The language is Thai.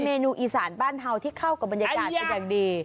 เมนูอีสานบ้านเฮาที่เข้ากับบรรยากาศจุดจริง